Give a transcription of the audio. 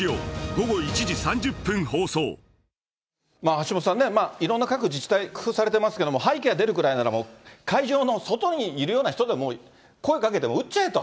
橋下さんね、いろんな各自治体、工夫されてますけれども、廃棄が出るくらいなら、会場の外にいるような人でも、声かけて打っちゃえと。